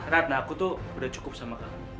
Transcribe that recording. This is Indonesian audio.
ratna aku tuh udah cukup sama